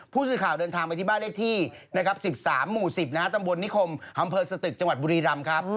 ผู้สื่อข่าวเดินทางไปที่บ้านเลขที่นะครับ๑๓หมู่๑๐ตำบลนิคมอำเภอสตึกจังหวัดบุรีรำครับ